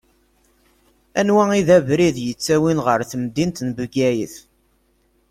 Anwa i d abrid ittawin ɣer temdint n Bgayet?